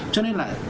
cho nên là